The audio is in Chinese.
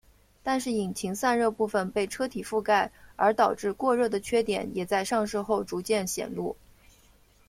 但是引擎散热部份被车体覆盖而导致过热的缺点也在上市后逐渐显露。